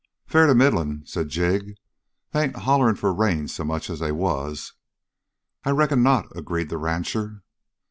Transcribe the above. "Fair to middlin'," said Jig. "They ain't hollering for rain so much as they was." "I reckon not," agreed the rancher.